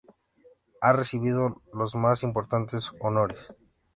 Ha recibido los más importantes honores.